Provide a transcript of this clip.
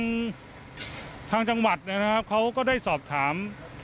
คือทางจังหวัดเขาก็ได้สอบถาม